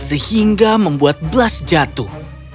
sehingga membuat blas jatuh